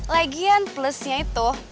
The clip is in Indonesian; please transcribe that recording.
lagian plusnya itu